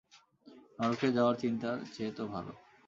নরকে যাওয়ার চিন্তার চেয়ে তো ভালো।